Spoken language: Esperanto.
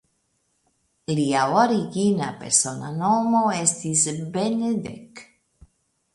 Lia origina persona nomo estis "Benedek".